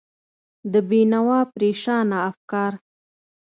د بېنوا پرېشانه افکار